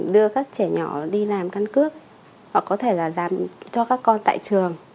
đưa các trẻ nhỏ đi làm căn cước hoặc có thể là giảm cho các con tại trường